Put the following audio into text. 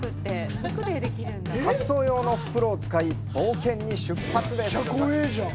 滑走用の袋を使い冒険に出発です。